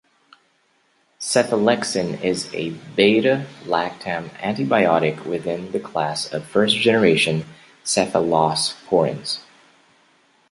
Cefalexin is a beta-lactam antibiotic within the class of first-generation cephalosporins.